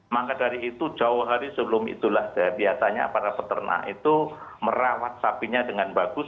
maka dari itu jauh hari sebelum itulah biasanya para peternak itu merawat sapinya dengan bagus